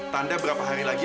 tanda berapa hari lagi